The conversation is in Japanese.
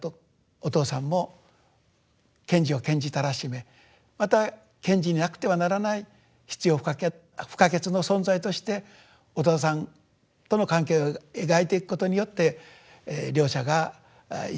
お父さんも賢治を賢治たらしめまた賢治になくてはならない必要不可欠の存在としてお父さんとの関係を描いていくことによって両者が一乗の世界に生きると。